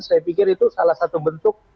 saya pikir itu salah satu bentuk